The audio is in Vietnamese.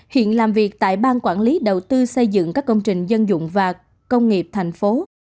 hiện làm việc tại bang quản lý đầu tư xây dựng các công trình dân dụng và công nghiệp thành phố